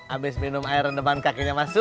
abis minum air rendeman kakinya mas su